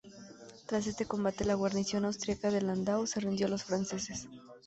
Tras este combate, la guarnición austriaca de Landau se rindió a los franceses.